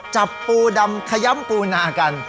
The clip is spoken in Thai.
จับปูดำขยำปูนากัน